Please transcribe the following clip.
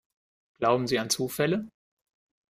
Glauben Sie an Zufälle?